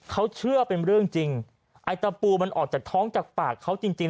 เขาเชื่อเป็นเรื่องจริงไอ้ตะปูมันออกจากท้องจากปากเขาจริงจริง